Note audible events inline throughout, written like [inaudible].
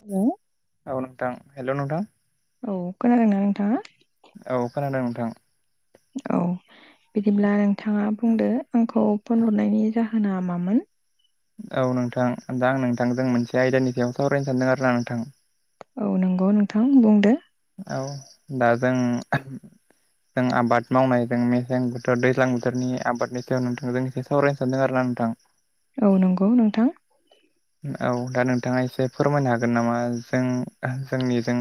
Hello औ नोंथां, hello नोंथां। औ खोनादों ना नोंथाङा? औ खोनादों नोंथां। औ बिदिब्ला नोंथाङा बुंदो आंखौ फन हरनायनि जा होना मामोन? औ नोंथां दा आं नोंथांजों मोनसे आयदानि सायाव सावरायनो सानदों आरो ना नोंथां। औ नंगौ नोंथां बुंदो। औ दा जों जों आबाद मावनाय जों मेसें बोथोर दैज्लां बोथोरनि आबादनि सायाव नोंथां जों एसे सावरायनो सानदों आरो ना नोंथां। औ नंगौ नोंथां। औ दा नोंथाङा एसे फोरमायनो हागोन नामा जों जोंनि जों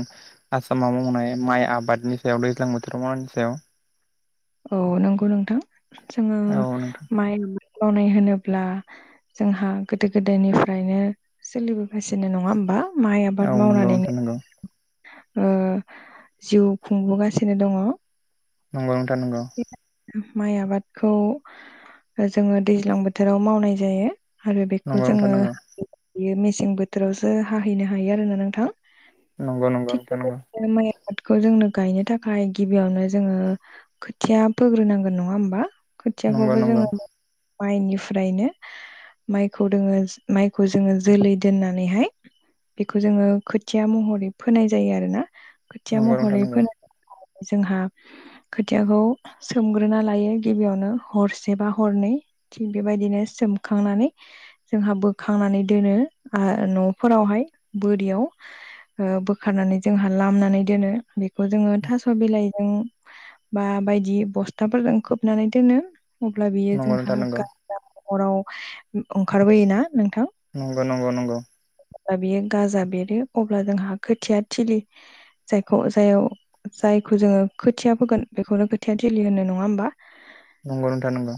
आसामाव मावनाय माइ आबादनि सायाव दैज्लां बोथोर मानि सायाव औ नंगौ नोंथां जोङो औ नोंथां माइ गनाय होनोब्ला जोंहा गोदो गोदायनिफ्रायनो सोलिबोगासिनो नङा होमबा? माइ औ आबाद नंगौ नोंथां मावनानैनो नंगौ ओ जिउ खुंबोगासिनो दङ नंगौ नोंथां नांगौ। माइ आबादखौ ओ जोङो दैज्लां बोथोराव मावनाय जायो। आरो बेखौ जोङो हैनो हायो मेसें बोथोरावसो हाहैनो हायो आरोना नोंथां। नंगौ नंगौ नोंथां नंगौ। खौ जोंनो गायनो थाखाय गिबियावनो जोङो खोथिया फोग्रोनांगोन नङा होमबा? नंगौ खोथियाखौबो नंगौ जोङो नोंथां माइनिफ्रायनो माइखौ दोङो माइखौ जोङो जोलै दोननानैहाय बेखौ जोङो खोथिया महरै फोनाय जायो आरो ना। नंगौ खोथिया नंगौ नोंथां महरै नंगौ फोनाय जोंहा खोथियाखौ सोमग्रोना लायो गिबियावनो हरसे बा हरनै थिग बेबायदिनो सोम खांनानै जोंहा बोखांनानै दोनो न'फोरावहाय बोरियाव ओ बोखारनानै जोंहा लामनानै दोनो बे बे खौ जोङो थास' बिलाइजों बा बायदि बस्थाफोरजों खोबनानै दोनो अब्ला बियो नंगौ जोंहा नोंथां नंगौ गाज नराव ओंखारबोयोना नोंथां नंगौ नंगौ नंगौ अब्ला बियो गाजा बेरो अब्ला जोंहा खोथिया थिलि जायखौ जाय जायखौ जोङो खोथिया फोगोन बेखौनो खोथिया थलि होनो नङा होमबा नंगौ नोंथां नंगौ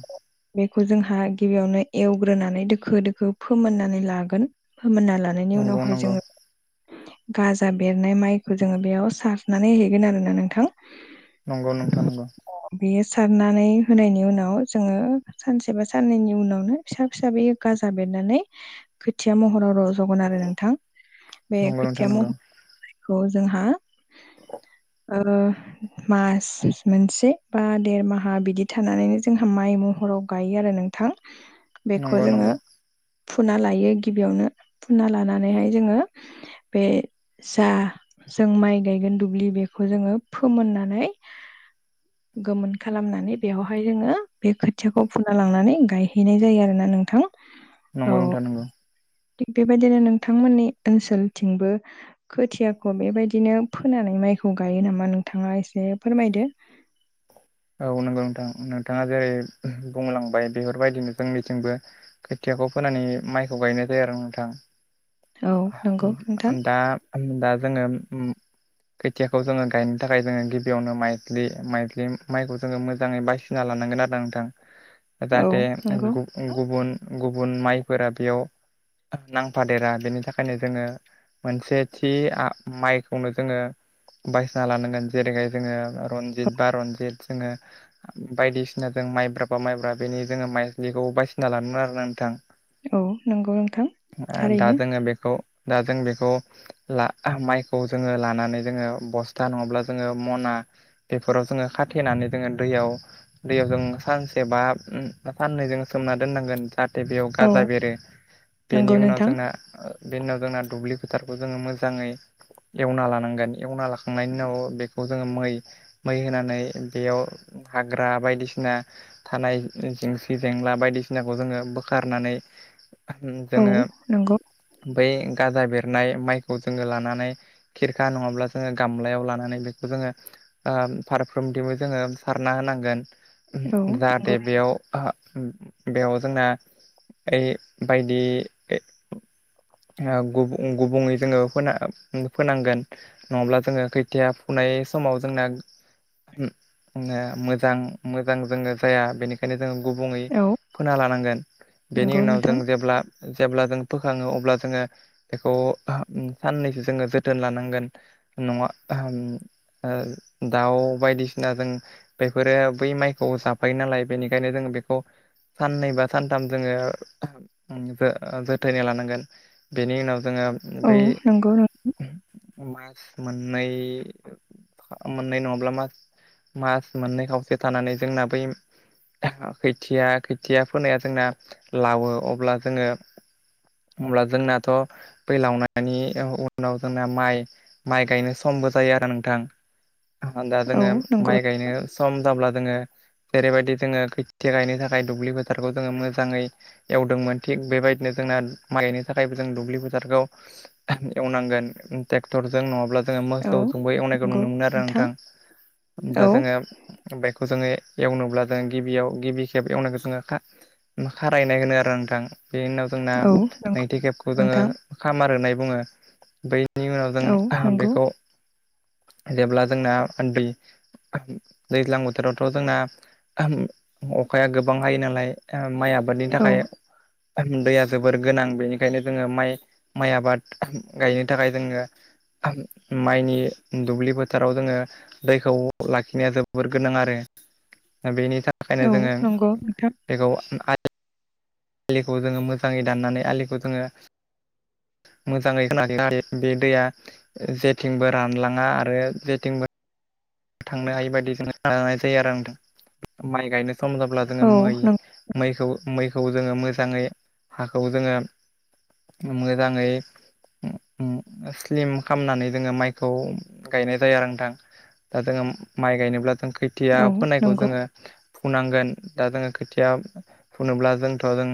बेखौ जोंहा गिबियावनो एवग्रोनानै दोखो दोखो फोमोननानै लागोन फोमोन्ना लानायनि नंगौ उनावहाय नंगौ जोङो गाजा बेरनाय माइखौ जोङो बेयाव सारनानै हैगोन आरोना नोंथां नंगौ नोंथां नगौ बेयो सारनानै होनायनि उनाव जोङो सानसे बा साननैनि उनावनो फिसा फिसा बेयो गाज्रि जाबेरनानै खोथिया महराव रज जगोन आरो नोंथां बे नंगौ नोंथां खोथिया महरखौ जोंहा दा [unintelligible] ओ मास मोनसे बा देरमाहा बिदि थानानैनो जोंहा माइ महराव गायो आरो नोंथां बेखौ नंगौ नंगौ जोङो फुना लायो गिबियावनो फुना लानानैहाय जोङो बे जा जों माइ गायगोन दुब्लि बेखौ जोङो फोमोननानै गोमोन खालामनानै बेवहाय जोङो बे खोथियाखौ फुना लांनानै गायहैनाय जायो आरोना नोंथां औ नंगौ नोंथां नंगौ थिग बेबायदिनो नोंथांमोननि ओनसोलथिंबो खोथियाखौ बेबायदिनो फोनानै माइ खौ गायो नामा नोंथाङा एसे फोरमायदो औ नंगौ नोंथां नोंथाङा जेरै बुंलांबाय बेफोरबायदिनो जोंनिथिंबो खाथि फिसाखौ फोनानै माइखौ गायनाय जायो आरो नोंथां औ नंगौ नोंथां दा दा जोङो ओम खोथियाखौ जोङो गायनो थाखाय जोङो गिबियावनो माइज्लि माइज्लि माइखौ जोङो मोजाङै बासिना लानो नआरोना नोंथां औ जाहाथे नंगौ गुबुन‌ गुबुन गुबुन माइफोरा बेयाव नांफादेरा बेनि थाखायनो जोङो मोनसे थि माइखौनो जोङो बायसिना लानांगोन जेरैहाय जोङो रनजित बा रनजित जोङो बायदिसिना जों माइब्रा बा माइब्रा बेनि जोङो माइलिखौ बायसिना लानमोन आरो नोंथां औ नंगौ नोंथां दा थारैनो जोङो बेखौ दा जों बेखौ ला माइखौ जोङो लानानै जोङो बस्था नङाब्ला जोङो मना बेफोराव जोङो खाथेनानै जोङो दै दैयाव जों सानसे बा सानन जों सोमना दोननांगोन जाहाथे बेयाव औ गाजा बेरो बेनि नंगौ उनाव नोंथां जोंना बे उनाव जोंना दुब्लि फोथारखौ जोङो मोजाङै एवना लानांगोन एवना लाखांनायनि उनाव बेखौ जोङो मै मै होनानै बेयाव हाग्रा बायदिसिना थानाय जेंसि जेंला बायदिसिनाखौ जोङो बोखारनानै औ जोङो नंगौ बै गाजा बेरनाय माइखौ जोङो लानानै खिरखा नङाब्ला जोङो गामलायाव लानानै बेखौ जोङो ओ फारफ्रोमथिबो जोङो सारना होनांगोन औ जाहाथे नंगौ बेयाव बेयाव जोंना ओ बायदि गुबुं गुबुंङै जोङो फोनांगोन नङाब्ला जोङो खैथिया फुनाय समाव जोंना मोजां मोजां जोंनो जाया बेनिखायनो जों गुबुङै औ फोना लानांगोन बेनि नंगौ उनाव नोंथां जों जेब्ला जेब्ला जों फोखाङो अब्ला जोङो बेखौ साननैसो जोङो जोथोन लानांगोन नङा उम ओ दाउ बायदिसिना जों बेफोरो बै माइखौ जाफायो नालाय बेनिखायनो जों बेखौ साननै बा सानथाम जोङो जो- जोथोनै लानांगोन। बेनि उनाव जोङो औ बै नंगौ मास मोननै फा मोननै नङाब्ला मास मास मोननै खावसे थानानै जोंना बै खोथिया खोथिया फोनाया जोंना लावो अब्ला जोङो अब्ला जोंनाथ' फैलावनायनि उनाव जोंना माइ माइ गायनो समबो जायो। आरो नोंथां आरो दा औ जोङो नंगौ माइ गायनो सम जाब्ला जोङो जेरैबायदि जोङो खोथिया गायनो थाखाय दुब्लि फोथारखौ जोङो मोजाङै एवदोंमोन थिग बेबायदिनो जोंना माइ गायनो थाखायबो जों दुब्लि फोथारखौ एवनांगोन ट्रेक्टर जों नङाब्ला जोङो औ मोसौ जोंबो एवनायखौ नुनो मोनो आरो नोंथां दा औ जोङो बेखौ जोङो एवनोब्ला जों गिबियाव गिबि खेब एवनायखौ जोङो खा खारायनाय होनो आरो नोंथां। बेनि उनाव जोंना औ नंगौ नैथि खेबखौ जोङो नोंथां खामार होनाय बुङो बै बेनि उनाव औ जों नंगौ बेखौ जेब्ला जोंना दै दैज्लां बोथोरावथ' जोंना अखाया गोबां हायो नालाय ओ माइ आबादनि औ थाखाय दैया जोबोर गोनां बेनिखायनो जोङो माइ माइ आबाद गायनो थाखाय जोङो माइनि दुब्लि फोथाराव जोङो दैखौ लाखिनाया जोबोर गोनां आरो। दा बेनि थाखायनो जोङो नंगौ नोंथां बेखौ आ आलिखौ जोङो मोजाङै दाननानै आलिखौ जोङो मोजाङै खोनानै लायो बे दैया जेथिंबो रानलाङा आरो जेथिंबो थांनो हायि बायदि [unintelligible] जायो आरो नोंथां माइ गायनो सम जाब्ला जोङो औ नों मै-मैखौ मै खौ जोङो मोजाङै हाखौ जोङो मोजाङै उ उम स्लिम खामनानै जोङो माइखौ गायनाय जायो आरो नोंथां। दा जोङो माइ गायनोब्ला जों खोथिया औ फोनायखौ नंगौ जोङो फुनांगोन दा जोङो खोथिया फुनोब्ला जोंथ' जों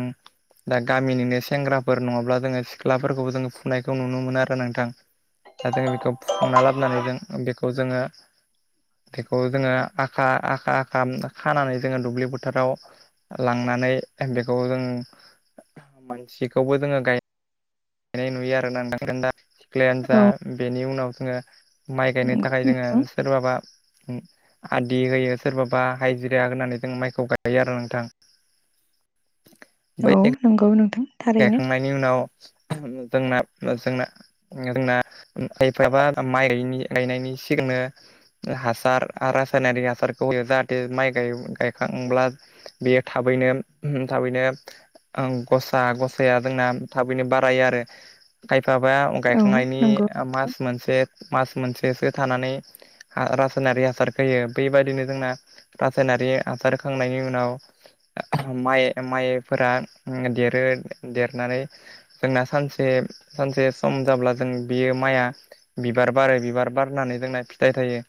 दा गामिनिनो सेंग्राफोर नङाब्ला जोङो सिख्लाफोरखौबो जोङो फुनायखौ नुनो मोनो आरो नोंथां। दा जोङो बेखौ फुखांना लाबनानै जों बेखौ जोङो बेखौ जोङो आखा आखा आखा खानानै जोङो दुब्लि बोथोराव लांनानै बेखौ जों मानसिखौबो जोङो गाय नाय नुयो आरो ना नोंथां। क्लायानो जा औ बेनि उनाव जोङो माइ गायनो नंगौ थाखाय जोङो नोंथां सोरबाबा आदि होयो सोरबाबा हाइजिरा होनानै जों माइखौ गायो आरो नोंथां। [inaudible] बै औ नंगौ नोंथां। थारैनो गायखांनायनि उनाव जोंना जोंना जोंना [unintelligible] ओ हासार रासायनारि हासारखौ होयो जाहाथे माइ गाय- गायखांब्ला बेयो थाबैनो थाबैनो आं गस सा गसाया जोंना थाबैनो बारायो आरो। खाय फाबा औ गायखांनायनि नंगौ नोंथां मास मोनसे मास मोनसेसो थानानै रासायनारि हासार होयो बेबायदिनो जोंना रासायनारि हासार होखांनायनि उनाव माइ माइफोरा देर रो देरनानै जोंना सानसे सानसे सम जाब्ला जों बियो माइआ बिबार बारो बिबार बारनानै जोंना फिथाइ थायो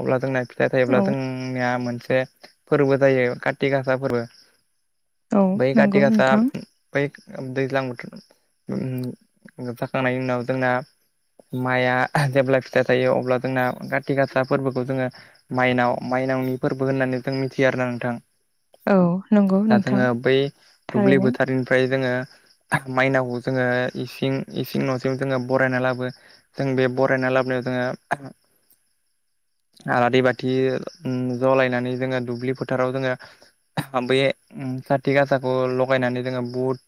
अब्ला जोंना फि थाइ थायोब्ला औ जोंनिया मोनसे फोरबो जायो काति गासा फोरबो। औ [unintelligible] बै खाथि नंगौ गासा नोंथां बै दैज्लां बोथोर जोबजाखांनायनि उनाव जोंना माइआ जेब्ला फिथाइ थायो अब्ला जोंना खाथि गासा फोरबोखौ जोङो माइनाव माइ नावनि फोरबो होननानै नोंथां मिथियो आरो ना नोंथां। औ नंगौ दा नोंथां जोङो बै दुब्लि थारैनो बोथोरनि जोङो माइनाव जोङो इसिं इसिं न' जों बरायनानै लाबो बरायना लाबोनायाव जोङो आलारि बाथि जलायनानै जोङो दुब्लि फोथाराव जोङो बे खाथि गासाखौ लगायनानै जोङो बुट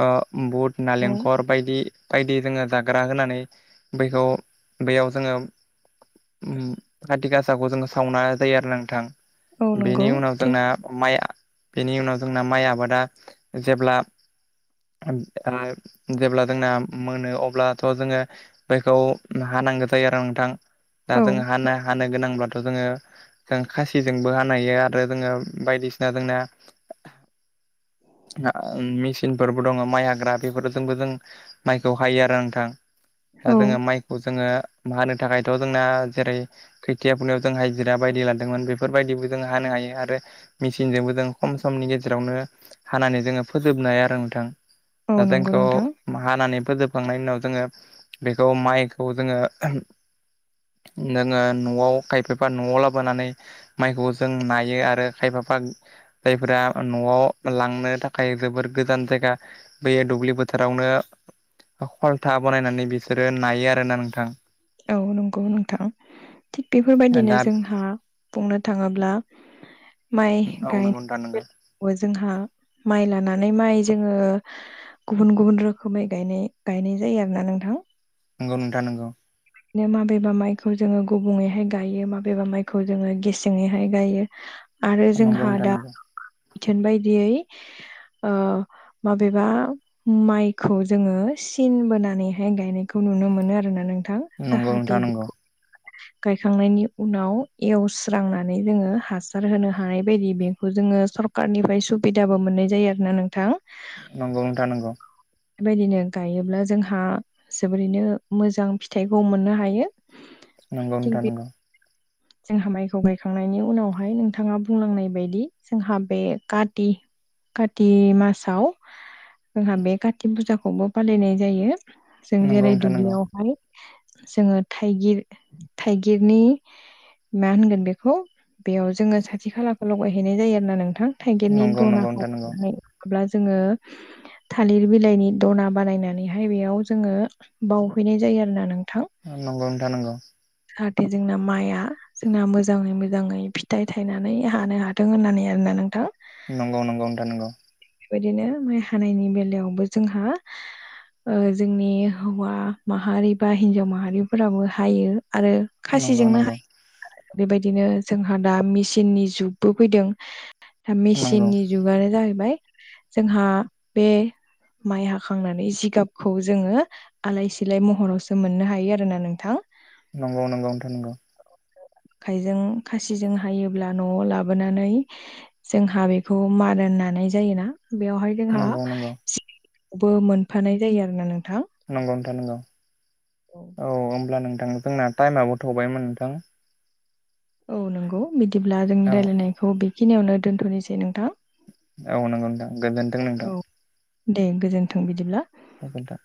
ओ बुट औ नालेंखर बायदि बायदि जोङो जाग्रा होनानै बैखौ बेयाव जोङो काति गासाखौ जोङो सावनाय जायो आरो नोंथां। औ नंगौ बेनि उनाव थिग जोंना माइ बेनि उनाव जोंना माइ आबादा जेब्ला [inaudible] जेब्ला जोंना मोनो अब्लाथ' जोङो बेखौ हानांगोन। थाय नोंथां दा औ जोंहा हानो गोनांब्ला जोङो जों खासिजोंबो हानाय हायो आरो जोङो बायदिसिना जोंना [inaudible] मेसिनफोरबो दङ माइ हाग्रा बेफोरजोंबो जों माइखौ हायो आरो नोंथां। दा औ जोङो माइखौ जोङो माइ हानो थाखायथ' जोंना जेरै खैथिया फुनाययाव जों हाजिरा बायदि लादोंमोन बेफोरबायदिबो जों हानो हायो आरो मेसिनजोंबो जों खम समनि गेजेरावनो हानानै जोङो फोजोबनो हाया आरो नोंथां दा औ नंगौ जोंखौ नोंथां हानानै फोजोबखांनायनि उनाव जोङो बेखौ माइखौ जोङो जोङो न'आव खायफाबा न'आव लाबोनानै माइखौ जों नायो आरो खायफा जायफोरा न'आव लांनो थाखाय थाखाय जोबोर गोजान जायगा बेैयो दुब्लि बोथोरावनो खलथा बानायनानै बिसोरो नायो आरोना नोंथां। औ नंगौ नोंथां थिग बेफोरबायदिनो दा जोंहा बुंनो थाङोब्ला माइ औ नंगौ नोंथां नंगौ गायनायावबो जोंहा माइ लानानै माइ जोङो गुबुन गुबुन रोखोमै गायनाय गायनाय जायो आरोना नोंथां। नंगौ नोंथां नंगौ। बिदिनो माबेबा माइखौ जोङो गुबुंङैहाय गायो माबेबा माइखौ जोङो गेसेङैहाय गायो। आरो नंगौ जोंहा नोंथां दा बिथोन बायदियै ओ माबेबा माइखौ जोङो सिन बोनानैहाय गायनायखौ नुनो मोनो आरोना नोंथां जाहाथे नंगौ बेखौ गायखांनायनि उनाव एवस्रांनानै जोङो हासार होनो हानाय बायदि बेखौ जोङो सरखारनिफ्राय सुबिदाबो मोननाय जायो आरो ना नोंथां नंगौ नोंथां नंगौ बेबायदिनो गायोब्ला जोंहा जोबोरैनो मोजां फिथाइखौ मोननो हायो नंगौ थिग नोंथां बे नोंगौ जोंहा माइखौ गायखांनायनि उनावहाय नोंथाङा बुंलांनाय बायदि जोंहा बे काथि काति मासाव जोंहा बे कात फुजाखौबो फालिनाय जायो जों जेरै नंगौ दुब्लियावहाय जोङो थाइगिर थाइगिरनि मा होनगोन बेखौ बेयाव जोङो साथि खालाखौ लगायहैनाय जायो नोंथां थाइगिरनि नंगौ दनाखौ नोंथां नंगौ लानानै माब्ला जोङो थालिर बिलाइनि दना बानायनानैहाय बेयाव जोङो बावहैनाय जायो [unintelligible] आरो नों नंगौथा नंगौ जाहाथे जोंना माइआ जोंना मोजाङै मोजाङै फिथाइ थायनानै हानो हाथों होननानै आरोना नोंथां नंगौ नंगौम र नगौ बेबायदिनो माइ हानायनि बेलायावबो जोंहा जोंनि हौवा माहारि बा हिन्जाव माहारिफोराबो हायो आरो नंगौ खासिजोंनो हायो नोंथां बेबायदिनो जोंहा दा मेचिननि जुगबो फैदों दा नंगौ मेसिननि जुगानो जाहैबाय जोंहा बे माइ हाखांनानै जिगाबखौ जोङो आलाय सिलाय महरावसो मोननो हायो आरोोना नोंथां नंगौ नंगौथ नंगौ आखायजों खासिजों हायोब्ला न'आव लाबोनानै जोंहा बेखौ मान नानाय जायोना बेवहाय जोंहा नंगौ सिबो मोनफानाय जायो आरो ना नोंथां नंगौ नथा नंगौ औ होमब्ला नों नोंथां जोंना टाइमआबो थौबायमोन नोंथां औ नंगौ बिदिब्ला जोंनि औ रायलायनायखौ बेखिनियावनो दोन्थ'नोसै नोंथां औ नंगौदां गोजोनथों औ नोंदोंां दे गोजोन्थों बिदिब्ला बेग दा